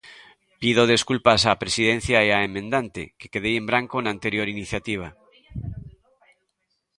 Pido desculpas á Presidencia e á emendante, que quedei en branco na anterior iniciativa.